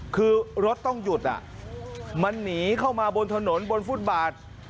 คือรถต้องหยุดมันหนีเข้ามาบนถนนบนฟุตบาท